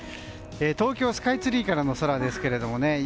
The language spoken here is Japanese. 東京スカイツリーからの空ですけどね。